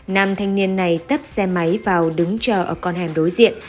nam thanh niên này tấp xe máy vào đứng chờ ở con hẻm đối diện